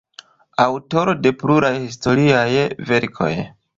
Aŭtoro de pluraj historiaj verkoj.